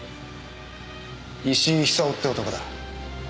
石井久雄って男だ。